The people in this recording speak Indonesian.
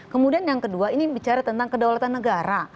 kemudian yang kedua ini bicara tentang kedaulatan negara